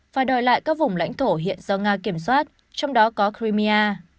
và đòi lại các vùng lãnh thổ hiện do nga kiểm soát trong đó có crimea